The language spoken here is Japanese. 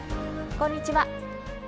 こんにちは。